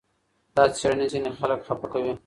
دا څېړنې ځینې خلک خپه کوي.